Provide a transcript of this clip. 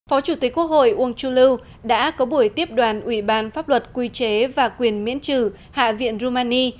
phó chủ tịch quốc hội uông chu lưu đã có buổi tiếp đoàn ủy ban pháp luật quy chế và quyền miễn trừ hạ viện rumani